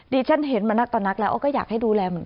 ฉันเห็นมานักต่อนักแล้วก็อยากให้ดูแลเหมือน